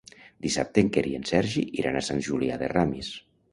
Dissabte en Quer i en Sergi iran a Sant Julià de Ramis.